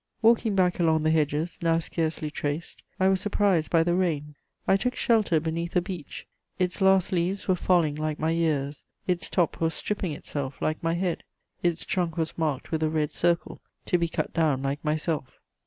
Walking back along the hedges, now scarcely traced, I was surprised by the rain; I took shelter beneath a beech: its last leaves were falling like my years; its top was stripping itself like my head; its trunk was marked with a red circle, to be cut down like myself.